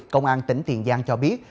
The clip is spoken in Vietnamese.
công an tỉnh tiền giang cho biết